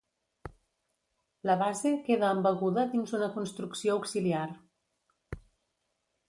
La base queda embeguda dins una construcció auxiliar.